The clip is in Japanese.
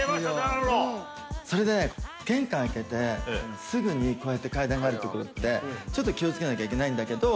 玄関開けてすぐにこうやって階段がある所ってちょっと気を付けなきゃいけないんだけど。